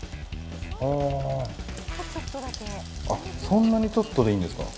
そんなにちょっとでいいんですか？